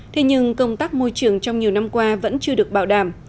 thế nhưng công tác môi trường trong nhiều năm qua vẫn chưa được bảo đảm